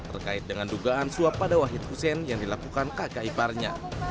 terkait dengan dugaan suap pada wahid hussein yang dilakukan kakak iparnya